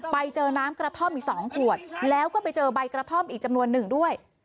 ไปเจอน้ำกระท่อมอีก๒ขวดแล้วก็ไปเจอใบกระท่อมอีกจำนวนหนึ่งด้วย